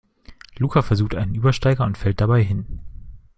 Luca versucht einen Übersteiger und fällt dabei hin.